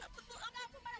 kamu malah judi